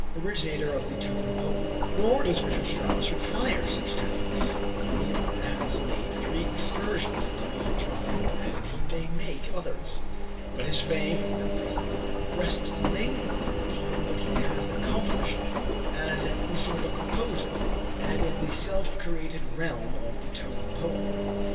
Originator of the Tone Poem. Nor does Richard Strauss require such tactics. He has made three excursions into music drama and he may make others. But his fame, at present, rests mainly upon what he has accomplished as an instrumental composer, and in the self created realm of the Tone Poem.